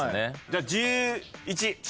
じゃあ１１。